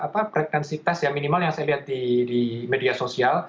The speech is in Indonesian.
apa pretensitas yang minimal yang saya lihat di media sosial